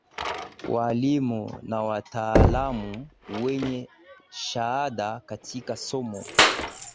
waalimu na wataalamu wenye shahada katika somo